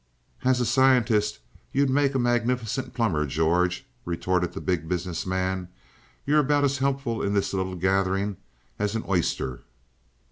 "As a scientist you'd make a magnificent plumber, George!" retorted the Big Business Man. "You're about as helpful in this little gathering as an oyster!"